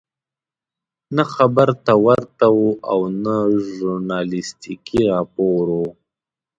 نه خبر ته ورته وو او نه ژورنالستیکي راپور وو.